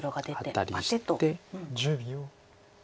アタリして。